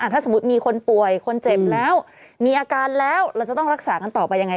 ถ้าสมมุติมีคนป่วยคนเจ็บแล้วมีอาการแล้วเราจะต้องรักษากันต่อไปยังไง